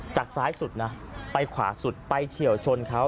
ซ้ายสุดนะไปขวาสุดไปเฉียวชนเขา